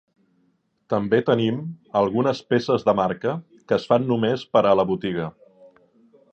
També tenim algunes peces de marca que es fan només per a la botiga.